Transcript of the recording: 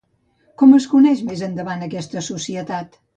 Com es coneix més endavant aquesta societat?